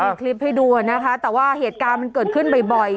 มีคลิปให้ดูนะคะแต่ว่าเหตุการณ์มันเกิดขึ้นบ่อย